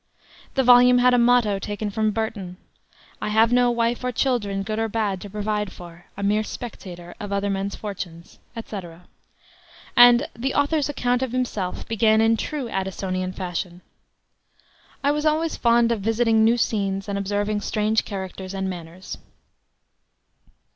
The volume had a motto taken from Burton, "I have no wife nor children, good or bad, to provide for a mere spectator of other men's fortunes," etc.; and "The Author's Account of Himself" began in true Addisonian fashion: "I was always fond of visiting new scenes and observing strange characters and manners."